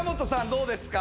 どうですか？